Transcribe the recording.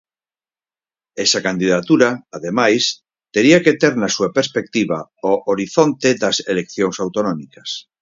Esa candidatura, ademais, tería que ter na súa perspectiva o horizonte das eleccións autonómicas.